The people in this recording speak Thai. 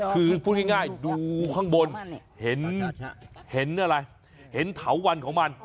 คือพูดง่ายดูข้างบนเห็นอะไรเห็นเถาวันของมัน